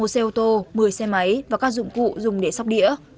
một xe ô tô một mươi xe máy và các dụng cụ dùng để sóc đĩa